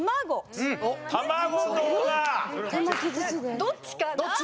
どっちだ？